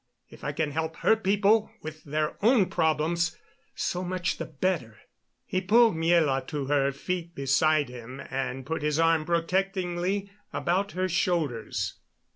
If I can help her people with their own problems, so much the better." He pulled Miela to her feet beside him and put his arm protectingly about her shoulders.